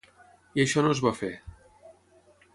I això no es va fer.